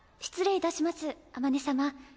失礼いたしますあまね様。